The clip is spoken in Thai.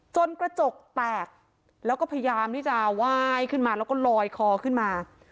กระจกแตกแล้วก็พยายามที่จะไหว้ขึ้นมาแล้วก็ลอยคอขึ้นมา